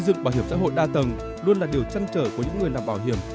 xây dựng bảo hiểm xã hội đa tầng luôn là điều trăn trở của những người làm bảo hiểm